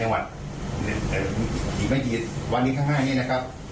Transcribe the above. หรืออีกไม่กี่วันนึงข้างห้างเนี่ยนะครับ